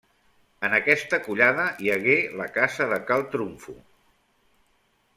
En aquesta collada hi hagué la casa de Cal Trumfo.